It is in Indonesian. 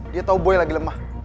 dia tau boy lagi lemah